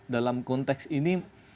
dalam konteks ini